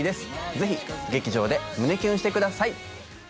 ぜひ劇場で胸キュンしてください